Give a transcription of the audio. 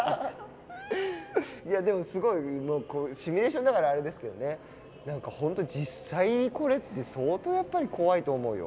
でも、すごいシミュレーションだからあれですけどね、本当に実際にこれって相当怖いと思うよ。